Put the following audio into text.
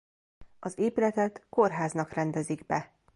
Az épületet kórháznak rendezik be.